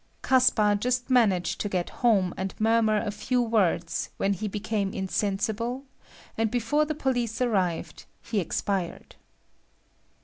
Caspar just managed to get home and murmur a few words when he became insensible, and before the police arrived he expired.